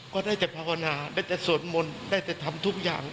ก็ได้แต่ภาวนาได้แต่สวดมนต์ได้แต่ทำทุกอย่าง